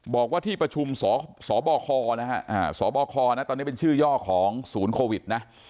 บอกว่าที่ประชุมสบคนะฮะสบคนะตอนนี้เป็นชื่อย่อของศูนย์โควิดนะ